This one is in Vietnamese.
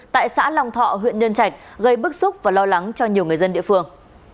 tại xã long thọ huyện nhân trạch gây bức xúc và lo lắng cho nhiều người dân địa phương